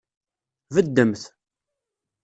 Beddemt.